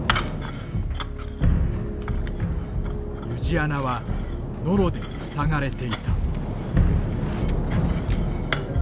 湯路穴はノロで塞がれていた。